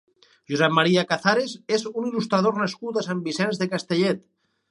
Josep Maria Cazares és un il·lustrador nascut a Sant Vicenç de Castellet.